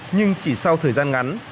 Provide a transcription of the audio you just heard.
nhưng chỉ sau thời gian ngắn